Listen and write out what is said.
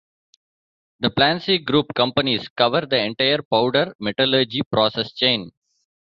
The Plansee Group companies cover the entire powder metallurgy process chain.